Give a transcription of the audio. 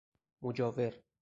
مجاور